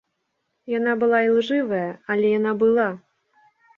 Яна была ілжывая, але яна была!